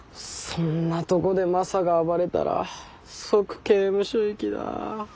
そんなとこでマサが暴れたら即刑務所行きだ。